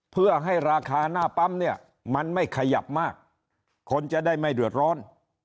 เพื่อให้ราคาหน้าปั๊มเนี่ยมันไม่ขยับมากคนจะได้ไม่เดือดร้อน